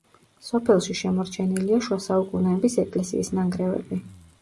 სოფელში შემორჩენილია შუა საუკუნეების ეკლესიის ნანგრევები.